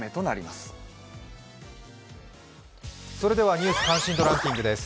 「ニュース関心度ランキング」です。